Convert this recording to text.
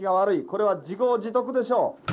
これは自業自得でしょう。